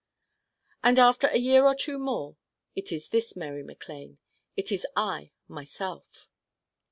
And after a year or two more it is this Mary MacLane. It is I myself.